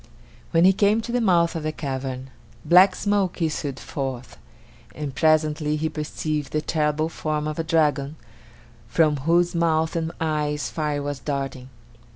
When he came to the mouth of the cavern, black smoke issued forth; and presently he perceived the terrible form of a dragon, from whose mouth and eyes fire was darting.